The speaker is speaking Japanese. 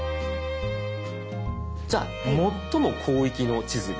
じゃあ最も広域の地図に。